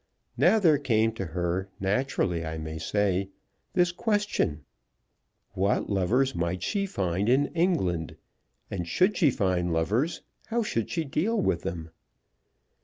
Now there came to her, naturally I say, this question; What lovers might she find in England, and, should she find lovers, how should she deal with them?